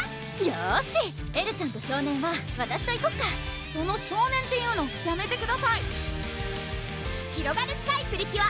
よしエルちゃんと少年はわたしと行こっかその「少年」っていうのやめてくださいひろがるスカイ！プリキュア